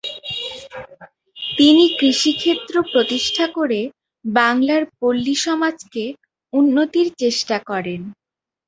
তিনি কৃষি ক্ষেত্র প্রতিষ্ঠা করে বাংলার পল্লীসমাজকে উন্নতির চেষ্টা করেন।